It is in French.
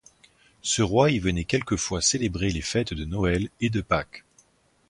Ce roi y venait quelquefois célébrer les fêtes de Noël et de Pâques.